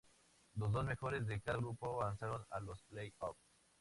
Los dos mejores de cada grupo avanzaron a los play-offs.